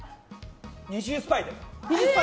二重スパイで。